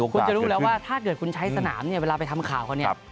คุณจะรู้แล้วว่าถ้าเกิดคุณใช้สนามเวลาไปทำข่าวเขา